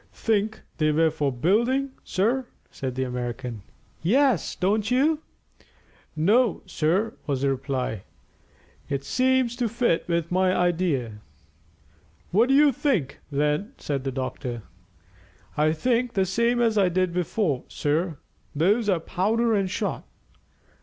"Think they were for building, sir?" said the American. "Yes; don't you?" "No, sir," was the reply. "It seems to fit with my idea." "What do you think, then?" said the doctor. "I think the same as I did before, sir. Those are powder and shot."